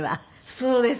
そうです。